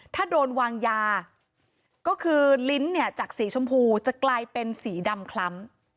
ถ้าโดนวางยาก็คือลิ้นเนี่ยจากสีชมพูจะกลายเป็นสีดำคล้ำ